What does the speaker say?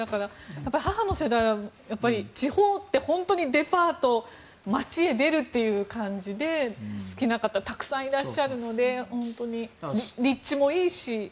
母の世代は地方って本当にデパートは街へ出るという感じで好きな方たくさんいらっしゃるので立地もいいし。